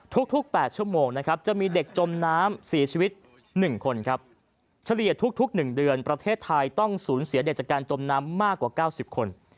ทุก๘ชั่วโมงนะครับจะมีเด็กจมน้ำเสียชีวิต๑คนครับเฉลี่ยทุก๑เดือนประเทศไทยต้องสูญเสียเด็กจากการจมน้ำมากกว่า๙๐คน